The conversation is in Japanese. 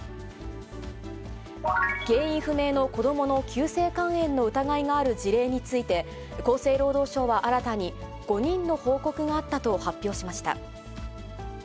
原因不明の子どもの急性肝炎の疑いがある事例について、厚生労働省は新たに、５人の報告があったと発表しました。